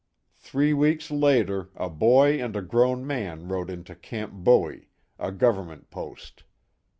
Three weeks later a boy and a grown man rode into Camp Bowie, a government post.